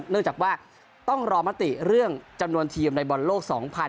เนื่องจากว่าต้องรอมติเรื่องจำนวนทีมในบอลโลก๒๐๑๖